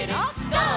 ゴー！」